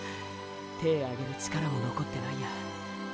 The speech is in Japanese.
手ぇ上げる力も残ってないや。